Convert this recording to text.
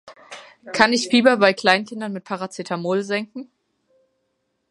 Kann ich Fieber bei Kleinkindern mit Paracetamol senken?